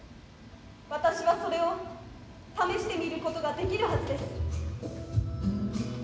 私はそれを試してみることができるはずです。